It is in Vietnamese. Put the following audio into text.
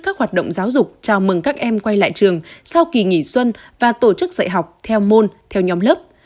các hoạt động giáo dục chào mừng các em quay lại trường sau kỳ nghỉ xuân và tổ chức dạy học theo môn theo nhóm lớp